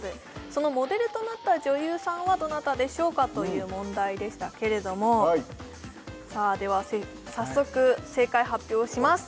そのモデルとなった女優さんはどなたでしょうかという問題でしたけれどもさあでは早速正解発表します